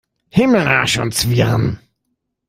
Himmel, Arsch und Zwirn!